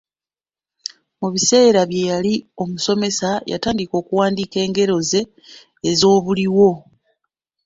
Mu biseera bye yali omusomesa, yatandika okuwandika engero ze ez'obuliwo